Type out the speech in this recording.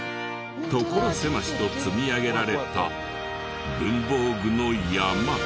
所狭しと積み上げられた文房具の山。